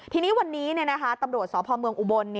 ทีนี้วันนี้ตำรวจสอปบบ